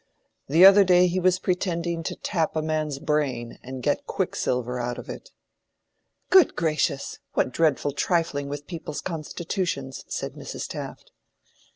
The other day he was pretending to tap a man's brain and get quicksilver out of it." "Good gracious! what dreadful trifling with people's constitutions!" said Mrs. Taft.